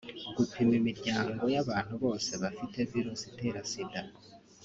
gupima imiryango y’abantu bose bafite virusi itera Sida